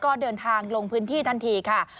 ก็เดินทางลงพื้นที่ทันทีค่ะ